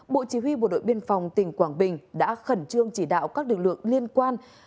bộ chỉ huy bộ đội biên phòng tỉnh quảng bình đã khẩn trương chỉ đạo các lực lượng liên quan